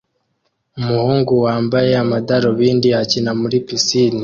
Umuhungu wambaye amadarubindi akina muri pisine